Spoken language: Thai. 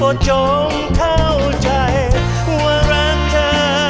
ก็จงเข้าใจว่ารักเธอ